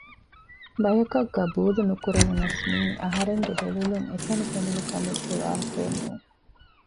ބަޔަކަށް ޤަބޫލް ނުކުރެވުނަސް މިއީ އަހަރެންގެ ދެލޮލުން އެކަނި ފެނުނު ކަމެއްގެ ވާހަކައެއް ނޫން